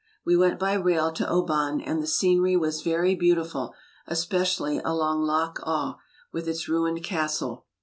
We went by rail to Oban and the scenery was very beautiful, especially along Loch Awe, with its ruined castle.